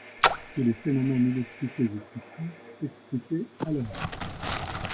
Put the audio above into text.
Tous les phénomènes, inexpliqués jusqu’ici, s’expliquaient alors!...